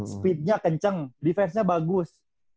speednya kenceng defense nya bagus